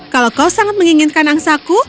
kalau kau sangat menginginkan angsaku